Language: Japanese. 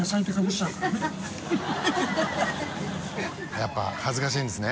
やっぱ恥ずかしいんですね。